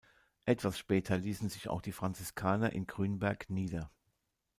Etwas später ließen sich auch die Franziskaner in Grünberg nieder.